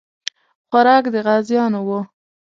خوراک د غازیانو وو.